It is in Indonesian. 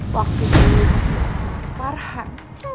waktu dulu mas farhan